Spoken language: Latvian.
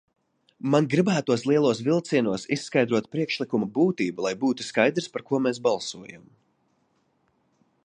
Man gribētos lielos vilcienos izskaidrot priekšlikuma būtību, lai būtu skaidrs, par ko mēs balsojam.